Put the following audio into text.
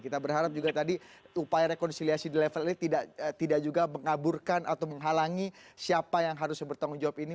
kita berharap juga tadi upaya rekonsiliasi di level ini tidak juga mengaburkan atau menghalangi siapa yang harus bertanggung jawab ini